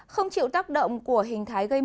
không chịu tác động của hình thái gây năng